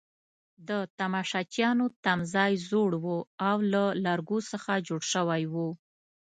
د تماشچیانو تمځای زوړ وو او له لرګو څخه جوړ شوی وو.